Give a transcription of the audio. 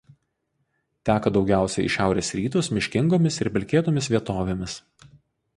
Teka daugiausia į šiaurės rytus miškingomis ir pelkėtomis vietovėmis.